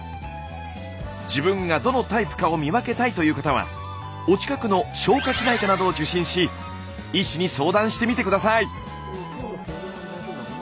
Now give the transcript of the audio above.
自分がどのタイプかを見分けたいという方はお近くの消化器内科などを受診し医師に相談してみて下さい。